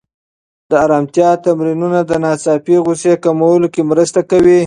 د ارامتیا تمرینونه د ناڅاپه غوسې کمولو کې مرسته کوي.